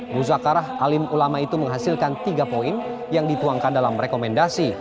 muzakarah alim ulama itu menghasilkan tiga poin yang dituangkan dalam rekomendasi